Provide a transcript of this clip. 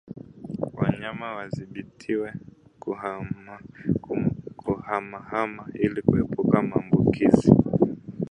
Wanyama wadhibitiwe kuhamahama ili kuepuka maambukizi